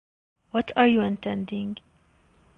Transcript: What are you intending?